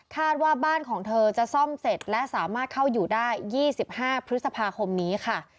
ว่าบ้านของเธอจะซ่อมเสร็จและสามารถเข้าอยู่ได้๒๕พฤษภาคมนี้ค่ะ